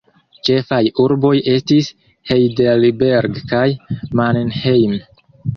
Ĉefaj urboj estis Heidelberg kaj Mannheim.